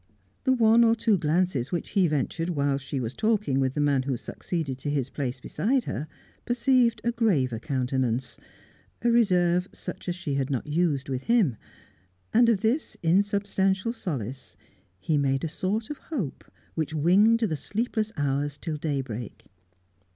The one or two glances which he ventured whilst she was talking with the man who succeeded to his place beside her, perceived a graver countenance, a reserve such as she had not used with him; and of this insubstantial solace he made a sort of hope which winged the sleepless hours till daybreak.